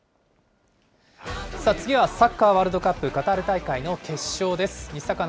次はサッカーワールドカップカタール大会の決勝です。